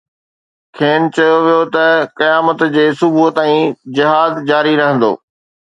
کين چيو ويو ته قيامت جي صبح تائين جهاد جاري رهندو.